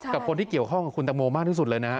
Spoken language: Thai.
กับคนที่เกี่ยวข้องกับคุณตังโมมากที่สุดเลยนะฮะ